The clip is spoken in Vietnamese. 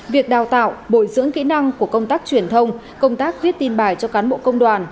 việc đào tạo bồi dưỡng kỹ năng của công tác truyền thông công tác viết tin bài cho cán bộ công đoàn